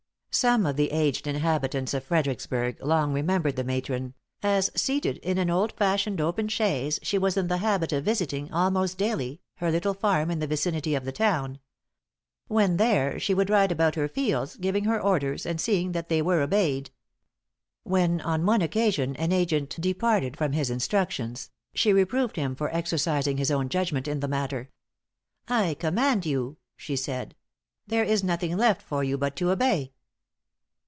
Some of the aged inhabitants of Fredericksburg long remembered the matron, "as seated in an old fashioned open chaise she was in the habit of visiting, almost daily, her little farm in the vicinity of the town. When there, she would ride about her fields, giving her orders and seeing that they were obeyed." When on one occasion an agent departed from his instructions she reproved him for exercising his own judgment in the matter; "I command you," she said; "there is nothing left for you but to obey."